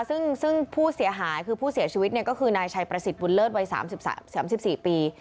ซึ่งซึ่งผู้เสียหายคือผู้เสียชีวิตเนี่ยก็คือนายชายประสิทธิ์บุญเลิศวัยสามสิบสามสามสิบสี่ปี